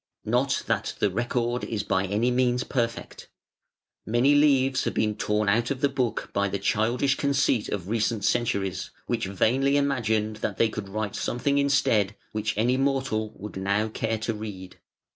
Not that the record is by any means perfect. Many leaves have been torn out of the book by the childish conceit of recent centuries, which vainly imagined that they could write something instead, which any mortal would now care to read.